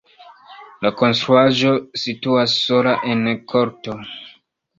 La konstruaĵo situas sola en korto.